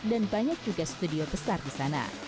dan banyak juga studio besar di sana